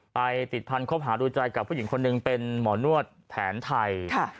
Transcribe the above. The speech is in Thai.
ไปติดพันธบหาดูใจกับผู้หญิงคนหนึ่งเป็นหมอนวดแผนไทย